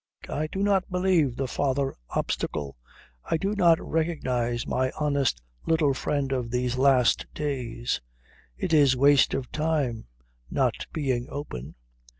I do not believe the father obstacle. I do not recognize my honest little friend of these last days. It is waste of time, not being open.